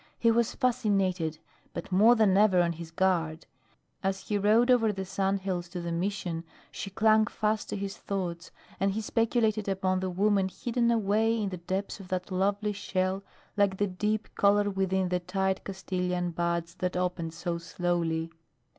He was fascinated, but more than ever on his guard. As he rode over the sand hills to the Mission she clung fast to his thoughts and he speculated upon the woman hidden away in the depths of that lovely shell like the deep color within the tight Castilian buds that opened so slowly.